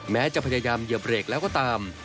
แม้จะพยายามเหยียบเบรกแล้วก็ตาม